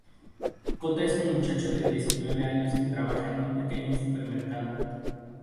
Kōta es muchacho de diecinueve años que trabaja en un pequeño supermercado.